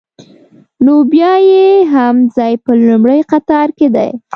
نو بیا یې هم ځای په لومړي قطار کې دی.